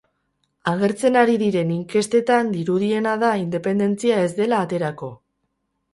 Agertzen ari diren inkestetan dirudiena da independentzia ez dela aterako.